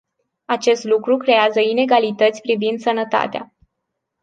Acest lucru creează inegalități privind sănătatea.